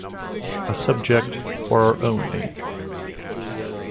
A subject for our own age.